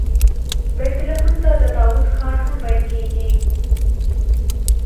بیت لحم ته د داود ښار هم ویل کیږي.